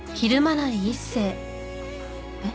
えっ？